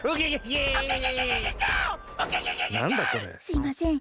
すいません